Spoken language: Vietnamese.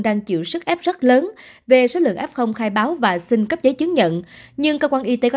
đang chịu sức ép rất lớn về số lượng f khai báo và xin cấp giấy chứng nhận nhưng cơ quan y tế có